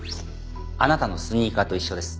あなたのスニーカーと一緒です。